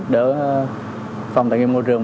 để phòng tài nguyên môi trường